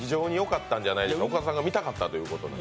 岡田さんが見たかったということですので。